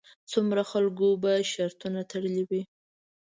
څومره خلکو به شرطونه تړلې وي.